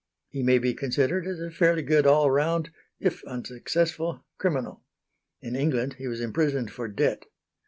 He may be considered as a fairly good all round if unsuccessful criminal. In England he was imprisoned for debt.